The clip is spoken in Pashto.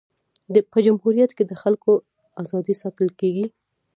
په جمهوریت کي د خلکو ازادي ساتل کيږي.